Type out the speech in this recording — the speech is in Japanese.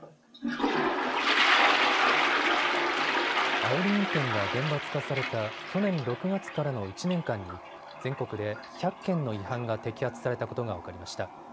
あおり運転が厳罰化された去年６月からの１年間に全国で１００件の違反が摘発されたことが分かりました。